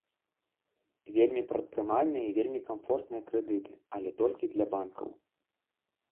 Вельмі прадпрымальныя і вельмі камфортныя крэдыты, але толькі для банкаў.